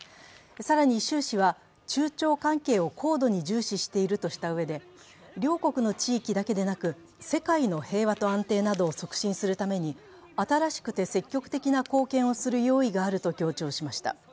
さらに習氏は中朝関係を高度に重視しているとしたうえで両国の地域だけでなく世界の平和と安定などを促進するために新して積極的な貢献をする用意があると強調しました。